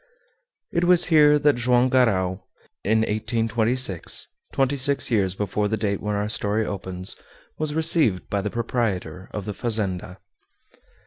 It was here that Joam Garral, in 1826, twenty six years before the date when our story opens, was received by the proprietor of the fazenda.